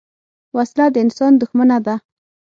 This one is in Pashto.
وسله د انسان دښمنه ده